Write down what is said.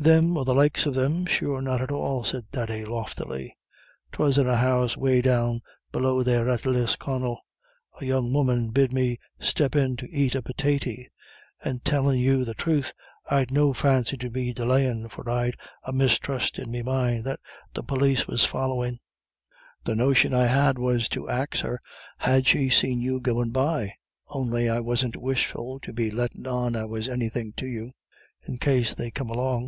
"Thim or the likes of thim sure not at all," said Thady, loftily. "'Twas in a house away down below there at Lisconnel. A young woman bid me step in to ait a pitaty, and, tellin' you the truth, I'd no fancy to be delayin', for I'd a mistrust in me mind that the pólis was follyin'. The notion I had was to ax her had she seen you goin' by, on'y I wasn't wishful to be lettin' on I was anythin' to you, in case they come along.